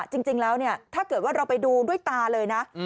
จริงแล้วเนี่ยถ้าเกิดว่าเราไปดูด้วยตาเลยนะ